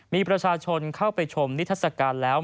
มีประชาชนเข้าไปชมนิทัศกาลแล้ว